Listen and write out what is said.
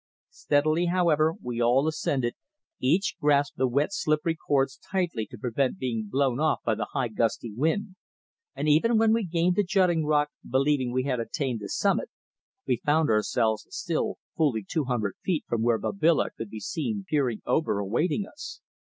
Steadily, however, we all ascended, each grasping the wet slippery cords tightly to prevent being blown off by the high gusty wind, and even when we gained the jutting rock believing we had attained the summit, we found ourselves still fully two hundred feet from where Babila could be seen peering over awaiting us.